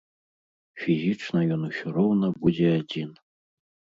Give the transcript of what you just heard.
Фізічна ён усё роўна будзе адзін!